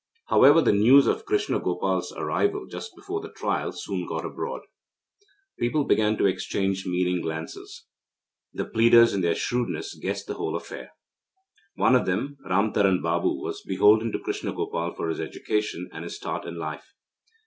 However, the news of Krishna Gopal's arrival just before the trial soon got abroad. People began to exchange meaning glances. The pleaders in their shrewdness guessed the whole affair. One of them, Ram Taran Babu, was beholden to Krishna Gopal for his education and his start in life.